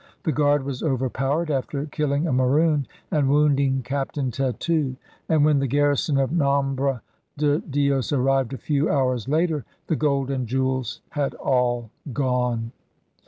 The guard was overpowered after killing a Maroon and wounding Captain Tetu. And when the garrison of Nombre de Dios arrived a few hours later the gold and jewels had all gone.